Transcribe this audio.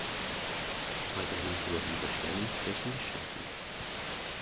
Weiterhin wurden Überschwemmungsflächen geschaffen.